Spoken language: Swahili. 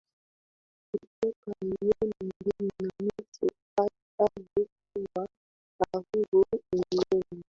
kutoka milioni mbili na nusu hadi kuwa karibu milioni